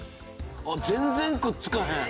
あっ全然くっつかへん。